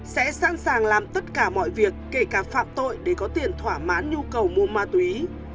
sẽ sẵn sàng làm tất cả mọi việc kể cả phạm tội để có tiền thỏa mãn nhu cầu mua ma túy